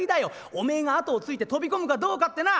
おめえが後をついて飛び込むかどうかってな！」。